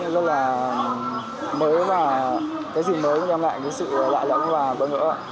rất là mới và cái gì mới nhằm lại sự lạ lẫn và bất ngỡ